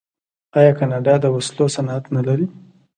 آیا کاناډا د وسلو صنعت نلري؟